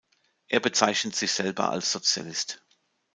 Er bezeichnet sich selber als Sozialist.